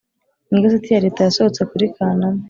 Mu igazeti ya leta yasohotse kuri kanama